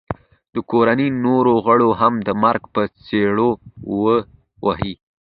د کوړنۍ نورو غړو هم د مرګ په څپېړه وه وهي